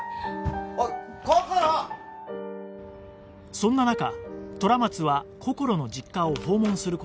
そんな中虎松はこころの実家を訪問する事に